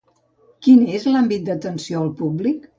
Quin és l'àmbit d'atenció al públic?